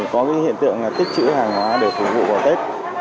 có hiện tượng tích chữ hàng hóa để phục vụ vào tết